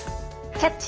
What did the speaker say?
「キャッチ！